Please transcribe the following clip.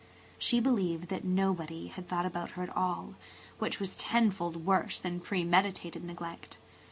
She believed that nobody had thought about her at all, which was tenfold worse than premeditated neglect.